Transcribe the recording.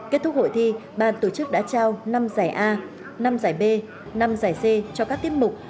kết thúc hội thi bàn tổ chức đã trao năm giải a năm giải b năm giải c cho các tiết mục